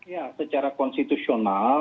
ya secara konstitusional